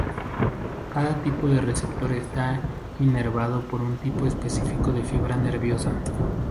Cada tipo de receptor está inervado por un tipo específico de fibra nerviosa.